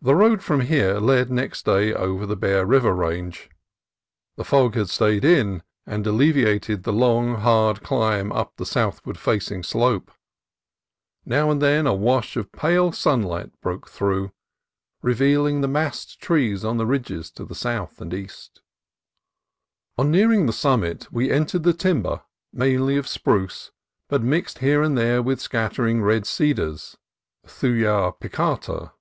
The road from here led next day over the Bear River Range. The fog had stayed in, and alleviated the long hard climb up the southward facing slope. Now and then a wash of pale sunlight broke through, GENTLE TEAMSTERS 293 revealing the massed trees on the ridges to the south and east. On nearing the summit we entered the timber, mainly of spruce, but mixed here and there with scattering red cedars {Thuja plicata).